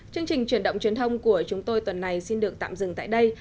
chương trình truyền động truyền thông của chúng tôi tuần này xin được tạm dừng tại đây